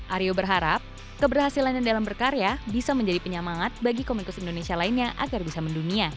aryo berharap keberhasilannya dalam berkarya bisa menjadi penyemangat bagi komikus indonesia lainnya agar bisa mendunia